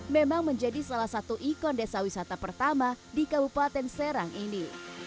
memang menjadi salah satu ikon desa wisata pertama di kabupaten serang ini